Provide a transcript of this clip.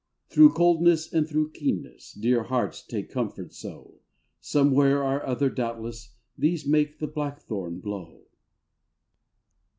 Through coldness and through keenness, Dear hearts, take comfort so ; Somewhere or other doubtless, These make the blackthorn blow.